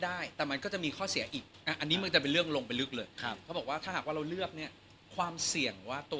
แอบอันนี้จะเป็นเรื่องลงไปลึกเลย